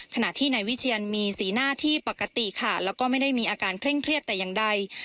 ขณะที่นายวิเชียนมีสีหน้าที่ปกติค่ะแล้วก็ไม่ได้มีอาการเคร่งเครียดแต่อย่างใด